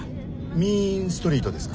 「ミーン・ストリート」ですか？